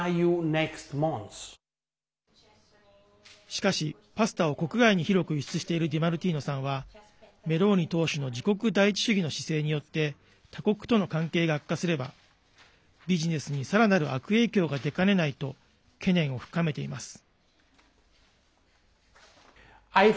しかし、パスタを国外に広く輸出しているディマルティーノさんはメローニ党首の自国第一主義の姿勢によって他国との関係が悪化すればビジネスにさらなる悪影響が出かねないと懸念を深めています。